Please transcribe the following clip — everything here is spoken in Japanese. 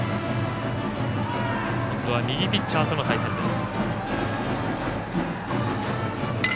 今度は右ピッチャーとの対戦です。